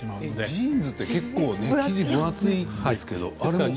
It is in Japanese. ジーンズは結構生地が分厚いですよね。